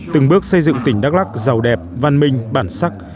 từng bước xây dựng tỉnh đắk lắc giàu đẹp văn minh bản sắc